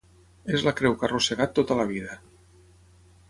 És la creu que ha arrossegat tota la vida.